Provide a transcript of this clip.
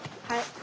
はい。